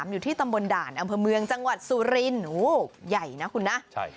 อยู่ที่ตำบลด่านอำเภอเมืองจังหวัดสุรินโอ้ใหญ่นะคุณนะใช่